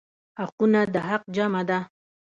حقونه د حق جمع ده.